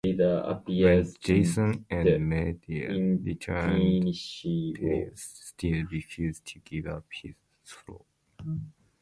When Jason and Medea returned, Pelias still refused to give up his throne.